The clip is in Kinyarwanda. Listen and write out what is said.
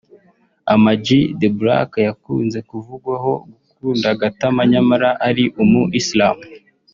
Ama G The Black yakunze kuvugwaho gukunda agatama nyamara ari umu Islam